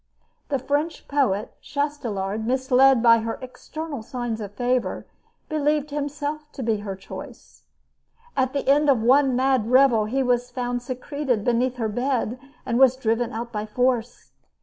The French poet, Chastelard, misled by her external signs of favor, believed himself to be her choice. At the end of one mad revel he was found secreted beneath her bed, and was driven out by force.